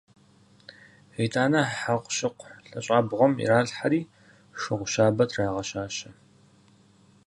ИтӀанэ хьэкъущыкъу лъэщӀабгъуэм иралъхьэри, шыгъу щабэ трагъэщащэ.